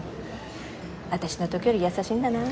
私のときより優しいんだなぁ。